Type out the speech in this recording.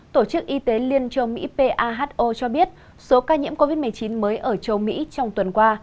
tổ chức y tế liên châu mỹ paho cho biết số ca nhiễm covid một mươi chín mới ở châu mỹ trong tuần qua